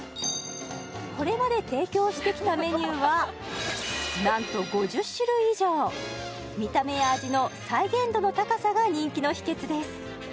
これまで提供してきたメニューはなんと５０種類以上見た目や味の再現度の高さが人気の秘訣です